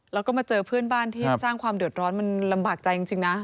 แล้วก็มาเจอเพื่อนบ้านที่สร้างความเดือดร้อนมันลำบากใจจริงนะ